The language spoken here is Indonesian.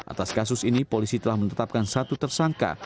atas kasus ini polisi telah menetapkan satu tersangka